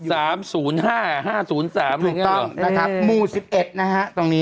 ๓๐๕๕๐๓ถูกต้องนะครับมู๑๑นะฮะตรงนี้